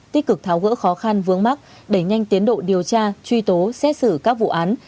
tích cực tháo gỡ khó khăn vướng mắt đẩy nhanh tiến độ điều tra truy tố xét xử các vụ án